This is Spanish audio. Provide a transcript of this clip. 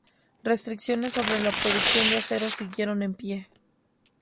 Restricciones sobre la producción de acero siguieron en pie.